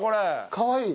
かわいい。